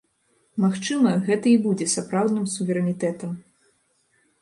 Магчыма, гэта і будзе сапраўдным суверэнітэтам.